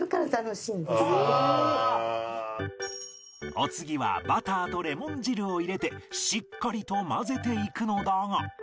お次はバターとレモン汁を入れてしっかりと混ぜていくのだが